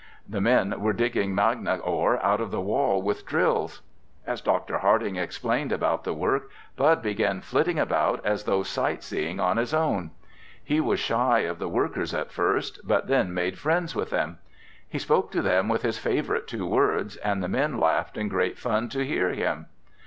The men were digging magna ore out of the wall with drills. As Dr. Harding explained about the work, Bud began flitting about as though sight seeing on his own. He was shy of the workers at first, but then made friends with them. He spoke to them with his favorite two words and the men laughed in great fun to hear him.